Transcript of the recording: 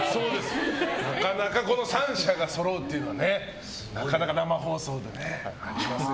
なかなか３社がそろうってことはなかなか生放送でね。